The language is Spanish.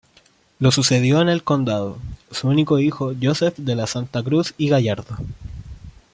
Lo sucedió en el condado, su único hijo Joseph de Santa Cruz y Gallardo.